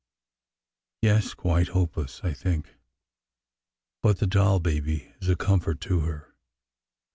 Yes, quite hopeless, I think. But the doll baby is a comfort to her.